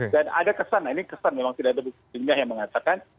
dan ada kesan nah ini kesan memang tidak ada bisnisnya yang mengatakan